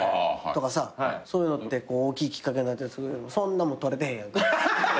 そういうのって大きいきっかけになるけどそんなんも取れてへんやんか。